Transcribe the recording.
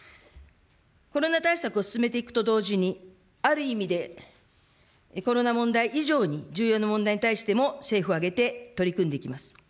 コロナ対策を進めていくと同時に、ある意味でコロナ問題以上に重要な問題に対しても、政府を挙げて取り組んでいきます。